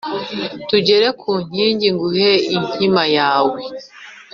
tugere ku nkingi nguhe inkima yawe